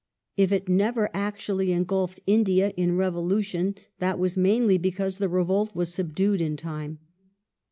If it never actually engulfed India in revolution, that was mainly because the revolt was subdued in time.